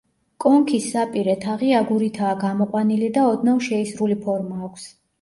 კონქის საპირე თაღი აგურითაა გამოყვანილი და ოდნავ შეისრული ფორმა აქვს.